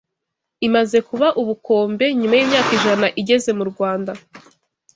imaze kuba ubukombe, nyuma y’imyaka ijana igeze mu Rwanda”